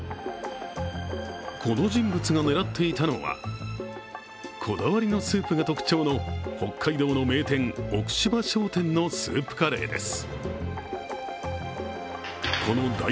この人物が狙っていたのは、こだわりのスープが特徴の北海道の名店、奥芝商店のスープカレーです。